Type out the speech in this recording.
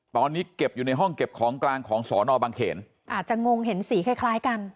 ตอนนี้เก็บอยู่ในห้องเก็บของกลางของสอนอบังเขนอาจจะงงเห็นสีคล้ายคล้ายกัน